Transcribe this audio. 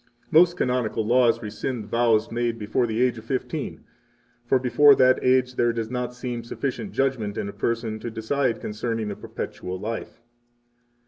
31 Most canonical laws rescind vows made before the age of fifteen; for before that age there does not seem sufficient judgment in a person to decide concerning a perpetual life.